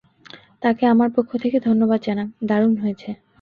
তাকে আমার পক্ষ থেকে ধন্যবাদ জানান, দারুণ হয়েছে।